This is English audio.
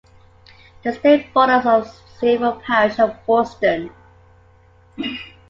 The Estate borders the civil parish of Woolston.